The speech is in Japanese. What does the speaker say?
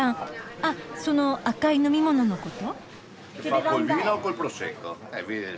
あその赤い飲み物のこと？